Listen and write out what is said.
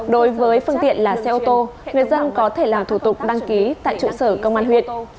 đối với phương tiện là xe ô tô người dân có thể làm thủ tục đăng ký tại trụ sở công an huyện